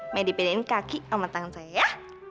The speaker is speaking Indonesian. menipedikan kaki sama tangan saya ya